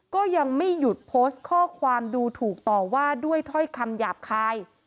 ก็ยังไม่หยุดโพสต์ข้อความดูถูกต่อว่าด้วยถ้อยคำหยาบคาย